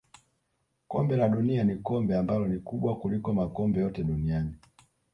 kombe la dunia ni kombe ambalo ni kubwa kuliko makombe yote duniani